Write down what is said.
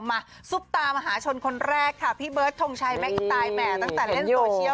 มาซุปตามาหาชนคนแรกค่ะพี่เบิ้ดทงชัยแม็กซ์ตายแหมจากที่เล่นตัวเชียว